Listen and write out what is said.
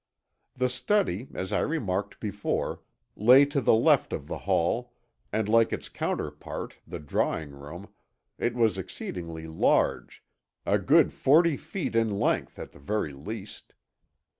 The study, as I remarked before, lay to the left of the hall and like its counterpart, the drawing room, it was exceedingly large, a good forty feet in length at the very least.